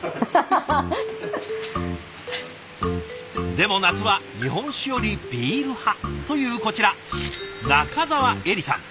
でも夏は日本酒よりビール派というこちら仲澤恵梨さん。